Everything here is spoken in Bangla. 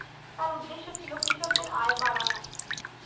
তাঁর উদ্দেশ্য ছিল কৃষকদের আয় বাড়ানো।